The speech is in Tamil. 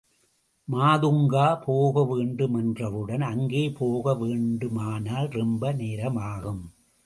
மாதுங்கா போக வேண்டு மென்றவுடன் அங்கே போக வேண்டுமானால் ரொம்ப நேரமாகும்.